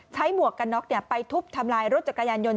ใช้หมวกกันน็อกเนี่ยไปทุบทำลายรถจักรยานยนต์